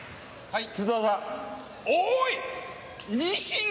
はい。